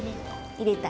入れたい。